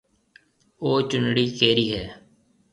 او چونڙَي ڪَيريَ هيَ؟